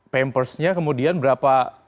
pampersnya kemudian berapa